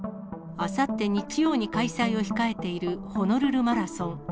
あさって日曜に開催を控えている、ホノルルマラソン。